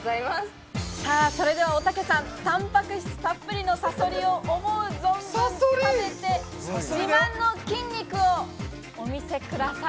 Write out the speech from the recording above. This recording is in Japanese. それでは、おたけさん、タンパク質たっぷりのサソリを思う存分食べて、自慢の筋肉をお見せください。